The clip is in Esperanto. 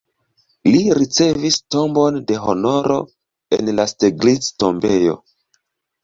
Li ricevis tombon de honoro en la Steglitz-tombejo.